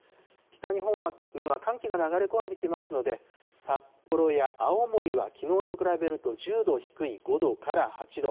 北日本には寒気が流れ込んできますので、札幌や青森はきのうと比べると１０度低い５度から８度。